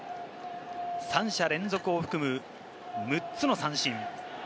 三者連続を含む、６つの三振。